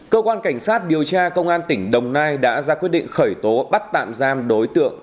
cơ quan cảnh sát điều tra công an tỉnh đồng nai đã ra quyết định khởi tố bắt tạm giam đối tượng